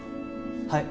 はい。